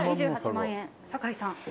２８万円、酒井さん。